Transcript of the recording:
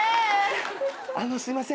・あのすいません。